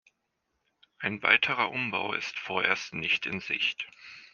Ein weiterer Umbau ist vorerst nicht in Sicht.